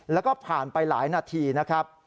แล้วก็ผ่านไปหลายนาทีนะครับ